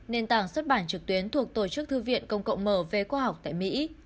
nền tảng xuất bản trực tuyến thuộc tổ chức thư viện công cộng mở về khoa học tại mỹ